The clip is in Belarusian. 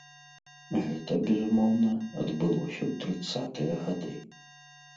Гэта, безумоўна, адбылося ў трыццатыя гады.